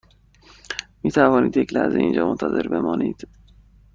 می توانید یک لحظه اینجا منتظر بمانید؟